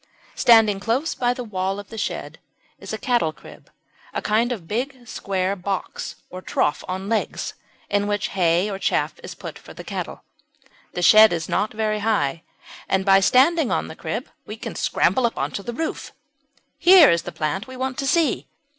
Standing close to the wall of the shed is a cattle crib a kind of big square box or trough on legs, in which hay or chaff is put for the cattle. The shed is not very high, and by standing on the crib we can scramble on to the roof. Here is the plant we want to see.